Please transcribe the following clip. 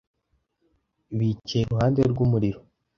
Bicaye iruhande rw'umuriro.